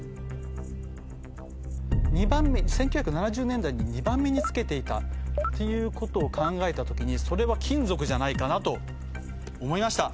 １９７０年代に２番目につけていたっていうことを考えた時にそれは金属じゃないかなと思いました！